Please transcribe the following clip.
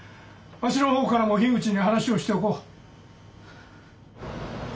わしの方からも樋口に話をしておこう。